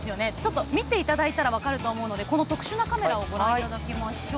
見ていただいたら分かると思うのでこの特殊なカメラをご覧いただきましょう。